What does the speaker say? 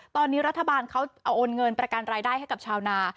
ตอนนี้รัฐบาลเขาเอาโอนเงินประกันรายได้ให้กับชาวนา